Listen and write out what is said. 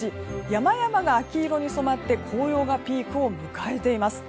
山々が秋色に染まって紅葉がピークを迎えています。